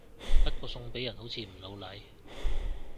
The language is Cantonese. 不過送俾人好似唔老嚟